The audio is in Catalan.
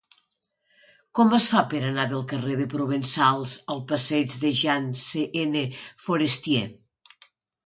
Com es fa per anar del carrer de Provençals al passeig de Jean C. N. Forestier?